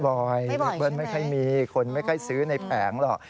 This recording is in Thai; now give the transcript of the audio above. แบบบ่อยฮือเบิ้ลนี้ไม่ใช่มีคนไม่ค่อยซื้อในแผงหรอก